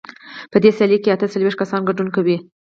په دې سیالۍ کې اته څلوېښت کسان ګډون کوي.